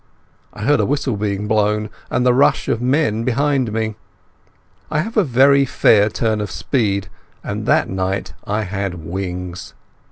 I heard a whistle being blown, and the rush of men behind me. I have a very fair turn of speed, and that night I had wings.